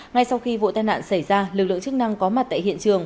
ngay sau khi vụ tai nạn xảy ra lực lượng chức năng có mặt tại hiện trường